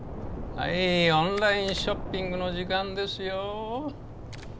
はいオンラインショッピングの時間ですよ。